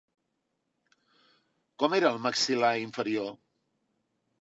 Com era el maxil·lar inferior?